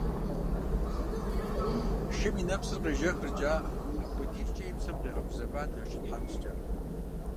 Шым и нэпсыр къежэхырт жаӏэ, апхуэдизкӏэ и псэм къигъэгузэват а шы тхьэмыщкӏэр.